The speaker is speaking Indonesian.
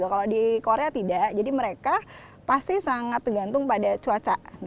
kalau di korea tidak jadi mereka pasti sangat tergantung pada cuaca